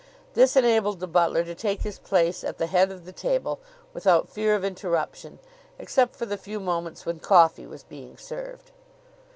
This enabled the butler to take his place at the head of the table without fear of interruption, except for the few moments when coffee was being served.